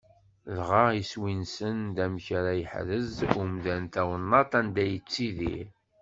Dɣa iswi-nsen d amek ara yeḥrez umdan tawennaḍt anda yettidir.